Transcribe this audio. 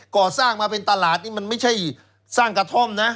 ก่อสร้างมาเป็นตลาดนี่มันไม่ใช่สร้างกระท่อมนะ